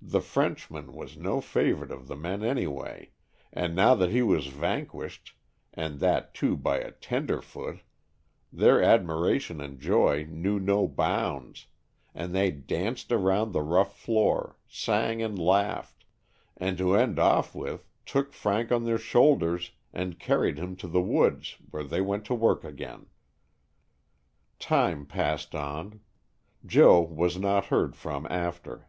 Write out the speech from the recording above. The Frenchman was no favorite of the men anyway, and now that he was vanquished, and that, too, by a "tender foot," their admiration and joy knew no bounds, and they danced around the rough floor, sang and laughed, and to end off with, took Frank on their shoul ders and carried him to the woods where they went to work again. 114 Storks from the Adirondack^. Tim© passed on. Joe was not heard from after.